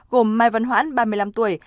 gồm mai văn hoãn ba mươi năm tuổi